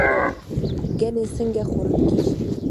ګنی څنګه خوړل کیږي؟